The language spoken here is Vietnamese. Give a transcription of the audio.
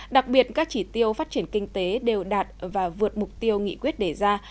đặc biệt các chỉ tiêu phát triển kinh tế đều đạt và vượt mục tiêu nghị quyết đề ra